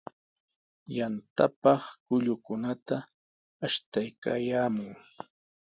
Yantapaq kullukunata ashtaykaayaamun.